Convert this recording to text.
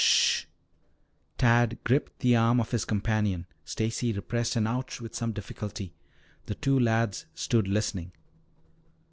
"Sh h h!" Tad gripped the arm of his companion. Stacy repressed an "ouch" with some difficulty. The two lads stood listening.